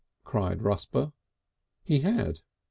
cried Rusper. He had.